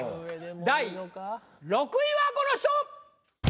第６位はこの人！